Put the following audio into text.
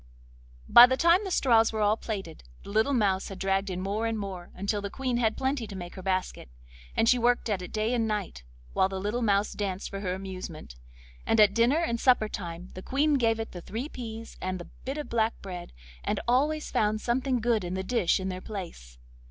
By the time the straws were all plaited the little mouse had dragged in more and more, until the Queen had plenty to make her basket, and she worked at it day and night, while the little mouse danced for her amusement; and at dinner and supper time the Queen gave it the three peas and the bit of black bread, and always found something good in the dish in their place.